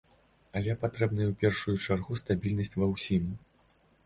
Але патрэбная ў першую чаргу стабільнасць ва ўсім.